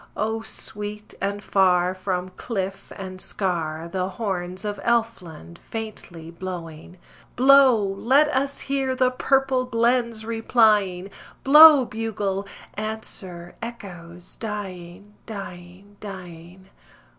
O sweet and far from cliff and scar The horns of Elfland faintly blowing! Blow, let us hear the purple glens replying: Blow, bugle; answer, echoes, dying, dying, dying.